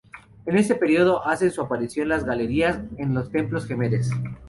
En este periodo hacen su aparición las galerías en los templos jemeres.